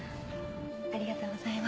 ありがとうございます。